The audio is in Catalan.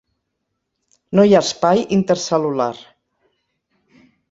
No hi ha espai intercel·lular.